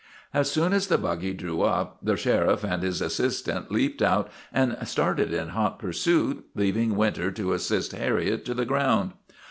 As soon as the buggy drew up, the sheriff and his assistant leaped out and started in hot pursuit, leav ing Winter to assist Harriet to the ground.